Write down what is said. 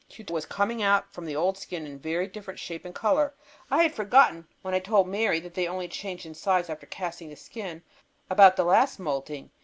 But it was coming out from the old skin in very different shape and color. I had forgotten, when I told Mary that they only changed in size after casting the skin, about the last moulting.